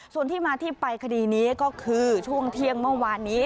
ส่วนที่มาที่ไปคดีนี้ก็คือช่วงเที่ยงเมื่อวานนี้